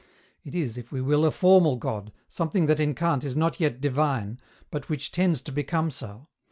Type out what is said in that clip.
It is, if we will, a formal God, something that in Kant is not yet divine, but which tends to become so.